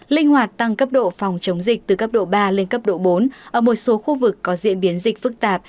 linh hoạt tăng cấp độ phòng chống dịch từ cấp độ ba lên cấp độ bốn ở một số khu vực có diễn biến dịch phức tạp